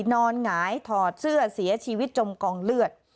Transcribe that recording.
หงายถอดเสื้อเสียชีวิตจมกองเลือด